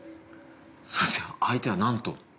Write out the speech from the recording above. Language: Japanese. それじゃあ相手はなんと？